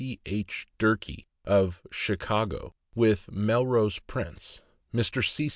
P. H. Durkee, of Chicago, with Melrose Prince; Mr. C. C.